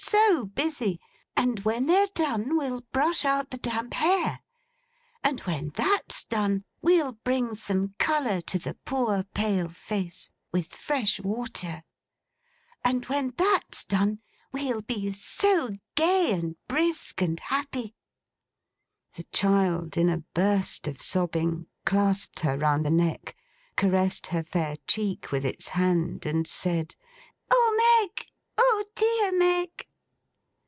So busy! And when they're done, we'll brush out the damp hair; and when that's done, we'll bring some colour to the poor pale face with fresh water; and when that's done, we'll be so gay, and brisk, and happy—!' The child, in a burst of sobbing, clasped her round the neck; caressed her fair cheek with its hand; and said, 'Oh Meg! oh dear Meg!